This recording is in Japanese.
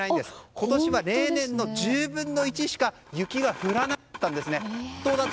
今年は例年の１０分の１しか雪が降らなかったんです。